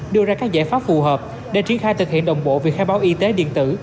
đưa ra các giải pháp phù hợp để triển khai thực hiện đồng bộ việc khai báo y tế điện tử